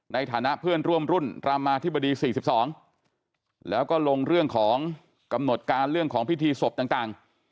ในฐานะเพื่อนร่วมรุ่นรามาธิบดี๔๒แล้วก็ลงเรื่องของกำหนดการเรื่องของพิธีศพต่าง